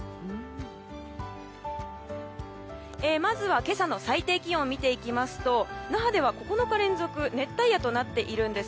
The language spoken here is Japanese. まずは今朝の最低気温を見ていきますと那覇では９日連続熱帯夜となっています。